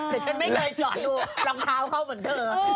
แต่ฉันไม่เคยเจาะดูรองเท้าเขาเหมือนเธอ